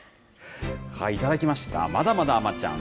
いただきました、まだまだあまちゃん。